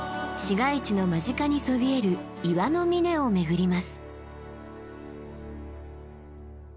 市街地の間近にそびえる岩の峰を巡ります。